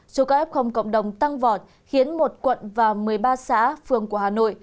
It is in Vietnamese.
số ca f cộng đồng tăng vọt khiến một quận và một mươi ba xã phường của hà nội